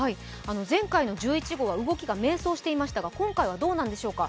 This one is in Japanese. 前回の１１号は動きが迷走していましたが今回はどうなんでしょうか。